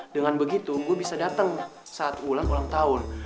dengan begitu gue bisa datang saat ulang ulang tahun